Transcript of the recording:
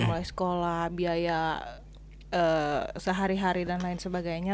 mulai sekolah biaya sehari hari dan lain sebagainya